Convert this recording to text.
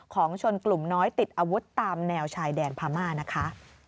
ของชนกลุ่มน้อยติดอาวุธตามแนวชายแดนพม่านะคะ